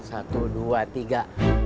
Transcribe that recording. satu dua tiga